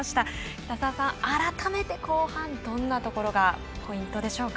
北澤さん、改めて後半どんなところがポイントでしょうか。